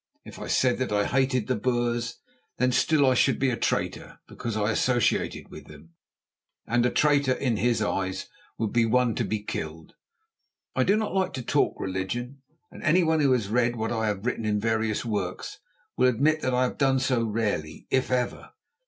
If I said that I hated the Boers, then still I should be a traitor because I associated with them, and a traitor in his eyes would be one to be killed. I do not like to talk religion, and anyone who has read what I have written in various works will admit that I have done so rarely, if ever.